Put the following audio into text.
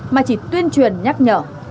mà chỉ tuyên truyền nhắc nhở